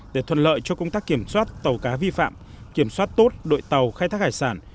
để thuận lợi cho công tác kiểm soát tàu cá vi phạm kiểm soát tốt đội tàu khai thác hải sản